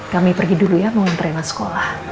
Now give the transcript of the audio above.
kami pergi dulu ya mau ngerena sekolah